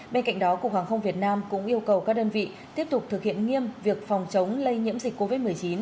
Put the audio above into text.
bên cạnh đó cục hàng không việt nam cũng yêu cầu các đơn vị tiếp tục thực hiện nghiêm việc phòng chống lây nhiễm dịch covid một mươi chín